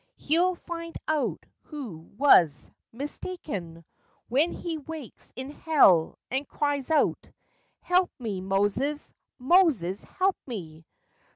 He'll find out who was ' mistaken,' When he wakes in hell, and cries out: ' Help me, Moses! Moses, help me